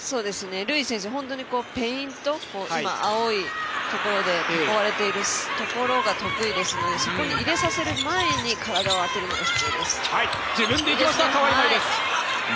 ルイ選手はペイント、青いところで囲われているところが得意ですのでそこに入れさせる前に体を当てるのが必要です。